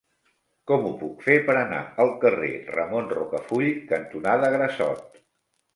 Com ho puc fer per anar al carrer Ramon Rocafull cantonada Grassot?